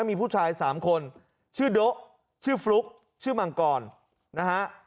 มีผู้ชาย๓คนชื่อโด๊ะชื่อฟลุ๊กชื่อมังกรนะฮะ